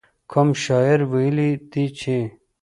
کوم شاعر ويلي دي چې.